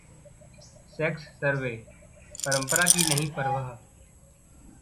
sex survey: परंपरा की नहीं परवाह